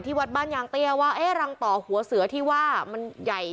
วัดบ้านยางเตี้ยว่าเอ๊ะรังต่อหัวเสือที่ว่ามันใหญ่